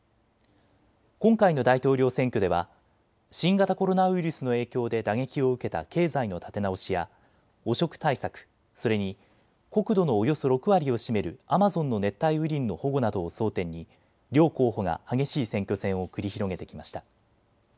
今回の大統領選挙では新型コロナウイルスの影響で打撃を受けた経済の立て直しや汚職対策、それに国土のおよそ６割を占めるアマゾンの熱帯雨林の保護などを争点に両候補が激しい選挙戦を繰り広げてきました。